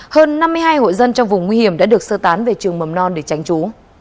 hơn năm mươi hai hộ dân trong vùng nguy hiểm đã được sơ tán về trường mầm non để tránh trú